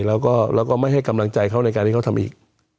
แล้วก็ไม่ให้กำลังใจเขาในการที่เขาทำอีก